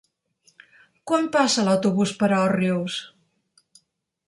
Quan passa l'autobús per Òrrius?